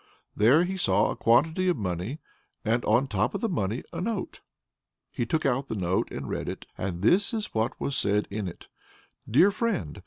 There he saw a quantity of money, and on top of the money a note. He took out the note and read it, and this is what was said in it: "Dear friend!